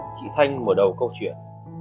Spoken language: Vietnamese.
chị thanh mở đầu câu chuyện